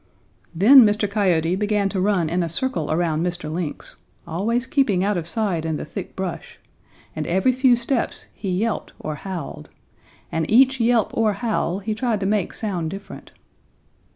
"Then Mr. Coyote began to run in a circle around Mr. Lynx, always keeping out of sight in the thick brush, and every few steps he yelped or howled, and each yelp or howl he tried to make sound different.